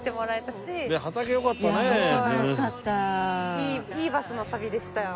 いいバスの旅でしたよ。